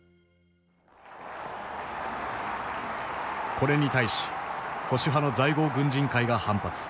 これに対し保守派の在郷軍人会が反発。